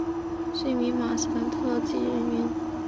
是一名马戏团特技人员。